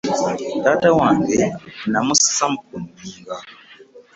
Taata wange namussa ku nninga.